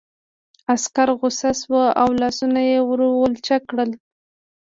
عسکر غوسه شو او لاسونه یې ور ولچک کړل